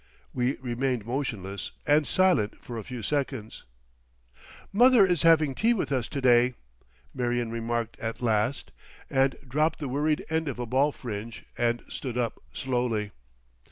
We remained motionless and silent for a few seconds. "Mother is having tea with us to day," Marion remarked at last, and dropped the worried end of ball fringe and stood up slowly....